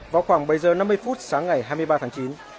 vào khoảng bảy giờ năm mươi phút sáng ngày hai mươi ba tháng chín